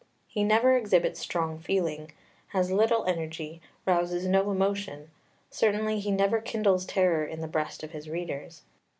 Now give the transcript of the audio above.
He never exhibits strong feeling, has little energy, rouses no emotion; certainly he never kindles terror in the breast of his readers.